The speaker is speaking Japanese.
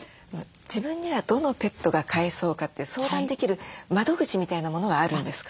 自分にはどのペットが飼えそうかって相談できる窓口みたいなものはあるんですか？